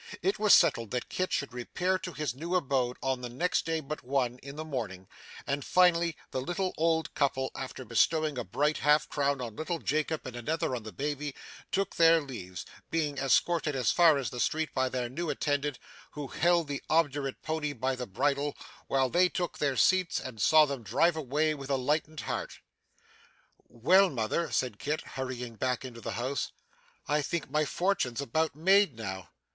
It was settled that Kit should repair to his new abode on the next day but one, in the morning; and finally, the little old couple, after bestowing a bright half crown on little Jacob and another on the baby, took their leaves; being escorted as far as the street by their new attendant, who held the obdurate pony by the bridle while they took their seats, and saw them drive away with a lightened heart. 'Well, mother,' said Kit, hurrying back into the house, 'I think my fortune's about made now.